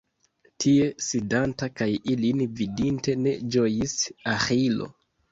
Tie sidanta, kaj ilin vidinte ne ĝojis Aĥilo.